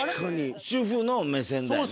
主婦の目線だよね。